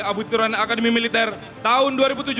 abuturan akademi militer tahun dua ribu tujuh belas